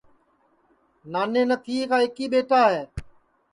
نانے نتھیے کا ایکی ٻیٹا ہے